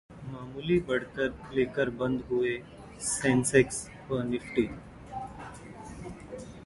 मामूली बढ़त लेकर बंद हुए सेंसेक्स व निफ्टी